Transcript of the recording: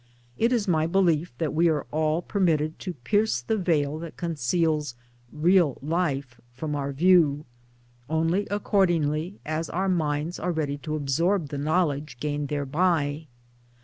It is my belief that we are all permitted to pierce the veil that conceals real Life from our view, only accordingly as our minds are ready to absorb the knowledge gained thereby.